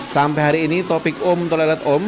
sampai hari ini topik om tolerlet om